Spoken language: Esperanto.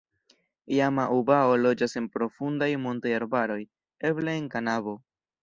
Jama-ubao loĝas en profundaj montaj arbaroj, eble en kabano.